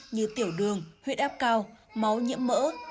như tiểu đường huyết áp cao máu nhiễm mỡ